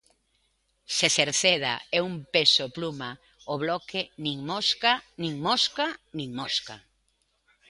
Se Cerceda é un peso pluma, o Bloque nin mosca, nin mosca, nin mosca.